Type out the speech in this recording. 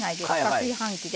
炊飯器で。